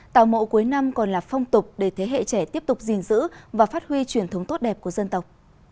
tàu mộ cuối năm còn là phong tục để thế hệ trẻ tiếp tục gìn giữ và phát huy truyền thống tốt đẹp của dân tộc